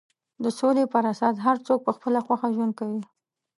د سولې پر اساس هر څوک په خپله خوښه ژوند کوي.